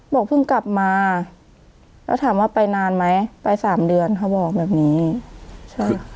บอกเพิ่งกลับมาแล้วถามว่าไปนานไหมไปสามเดือนเขาบอกแบบนี้ใช่